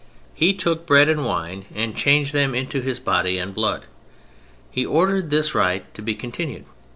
He took bread and wine and changed them into His Body and Blood. He ordered this rite to be continued.